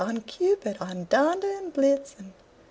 on, Cupid! on, Donder and Blitzen!